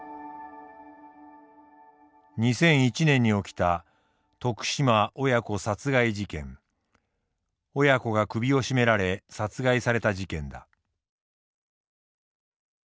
２００１年に起きた親子が首を絞められ殺害された事件だ。